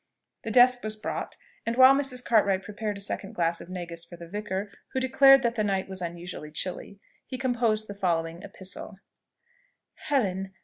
The desk was brought; and while Mrs. Cartwright prepared a second glass of negus for the vicar, who declared that the night was unusually chilly, he composed the following epistle: "Helen!